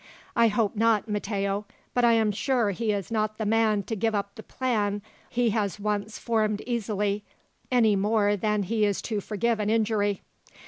"I hope not, Matteo; but I am sure he is not the man to give up the plan he has once formed easily, any more than he is to forgive an injury.